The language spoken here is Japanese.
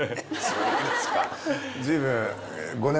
そうですか。